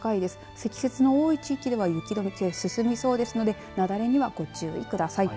積雪の多い地域では雪どけ進みそうですので雪崩には、ご注意ください。